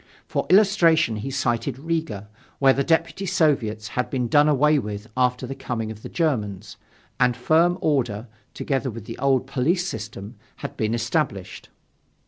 For illustration he cited Riga, where the Deputy Soviets had been done away with after the coming of the Germans, and firm order, together with the old police system, had been established.